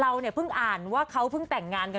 เราเนี่ยเพิ่งอ่านว่าเขาเพิ่งแต่งงานกัน